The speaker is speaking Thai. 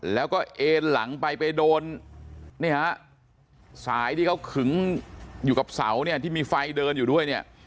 แล้วก็เอ็นหลังไปไปโดนเนี่ยฮะสายที่เขาขึงอยู่กับเสาเนี่ยที่มีไฟเดินอยู่ด้วยเนี่ย